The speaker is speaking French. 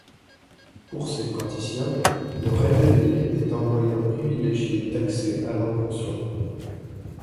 Pour ces praticiens, le rêve éveillé est un moyen privilégié d'accès à l'inconscient.